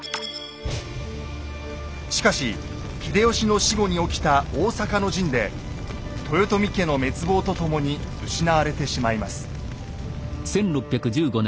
しかし秀吉の死後に起きた大坂の陣で豊臣家の滅亡とともに失われてしまいます。